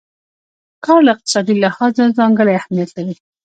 کار له اقتصادي لحاظه ځانګړی اهميت لري.